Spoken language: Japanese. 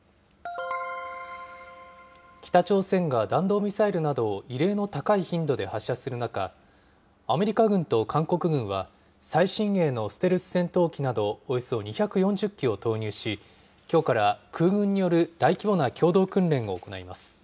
北朝鮮が弾道ミサイルなどを異例の高い頻度で発射する中、アメリカ軍と韓国軍は、最新鋭のステルス戦闘機などおよそ２４０機を投入し、きょうから空軍による大規模な共同訓練を行います。